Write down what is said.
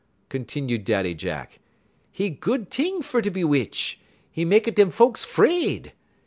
continued Daddy Jack. "'E good t'ing fer be witch; 'e mek a dem folks fred.